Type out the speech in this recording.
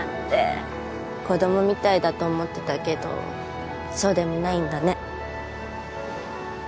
子供みたいだと思ってたけどそうでもないんだね。